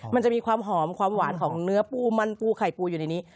มันจะมีความหอมความหวานของเนื้อปูมันปูไข่ปูอยู่ในนี้